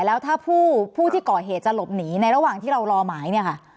แล้วถ้าผู้ที่ก่อเหตุจะหลบหนีในระหว่างที่เรารอหมายเนี่ยค่ะ